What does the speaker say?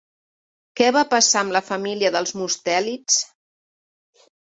Què va passar amb la família dels mustèlids?